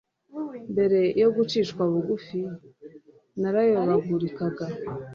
mbere yo gucishwa bugufi, narayobagurikaga